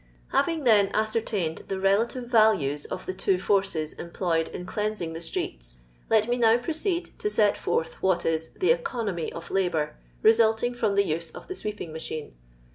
Having, then, ascertained the relative values of the two forces employed in deansing the streets, let me now proceed to set forth what if " the economy of labour" resulting from the use of the sweeping machine.